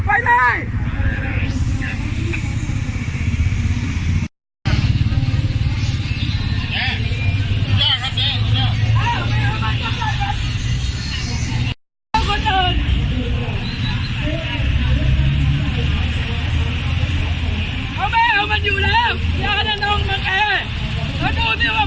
ไปแล้วไป